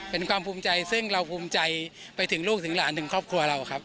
เป็นความภูมิใจซึ่งเราภูมิใจไปถึงลูกถึงหลานถึงครอบครัวเราครับ